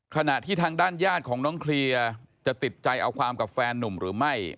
ขณะที่ทางด้านญาติของน้องเคลียร์จะติดใจเอาความกับแฟนนุ่มหรือไม่